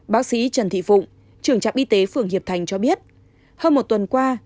bác sĩ trần thị phụng trưởng trạm y tế phường hiệp thành cho biết hơn một tuần qua